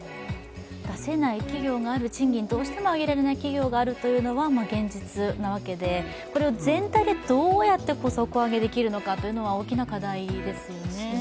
出せない企業がある賃金、どうしても揚げられない企業があるのは現実なわけで、これを全体でどうやって底上げできるのかというのは大きな課題ですよね。